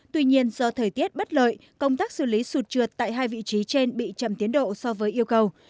tuy nhiên do thời tiết bất lợi công tác xử lý sụt trượt tại hai vị trí trên bị chậm tiến độ so với yêu cầu